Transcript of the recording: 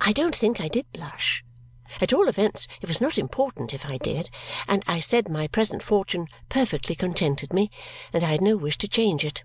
I don't think I did blush at all events, it was not important if I did and I said my present fortune perfectly contented me and I had no wish to change it.